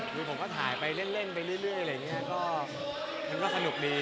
คือผมก็ถ่ายไปเล่นไปเรื่อยอะไรอย่างนี้ก็มันก็สนุกดี